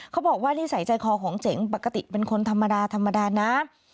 เขาบอกว่านิสัยใจคอของเจ๋งปกติเป็นคนธรรมดาธรรมดานะ